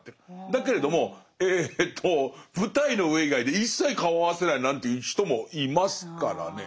だけれどもえと舞台の上以外で一切顔合わせないなんていう人もいますからね。